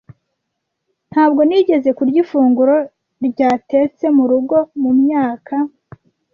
Ntabwo nigeze kurya ifunguro ryatetse murugo mumyaka.